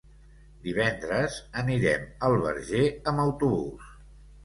Divendres anirem al Verger amb autobús.